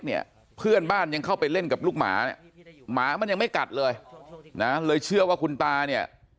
เนี่ยเพื่อนบ้านยังเข้าไปเล่นกับลูกหมาเนี่ยหมามันยังไม่กัดเลยนะเลยเชื่อว่าคุณตาเนี่ย